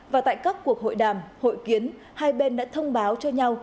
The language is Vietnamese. và tại các cuộc hội đàm hội kiến hai bên đã thông báo cho nhau